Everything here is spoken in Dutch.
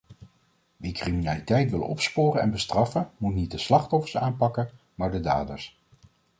Wie criminaliteit wil opsporen en bestraffen moet niet de slachtoffers aanpakken maar de daders.